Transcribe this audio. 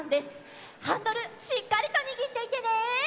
ハンドルしっかりとにぎっていてね！